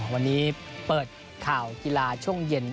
วันนี้เปิดข่าวกีฬาช่วงเย็น